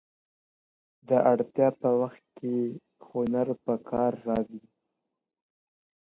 د اړتیا په وخت کې هنر په کار راځي.